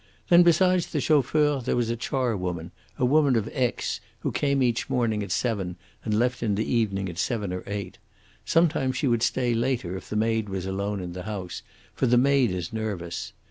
Then besides the chauffeur there was a charwoman, a woman of Aix, who came each morning at seven and left in the evening at seven or eight. Sometimes she would stay later if the maid was alone in the house, for the maid is nervous.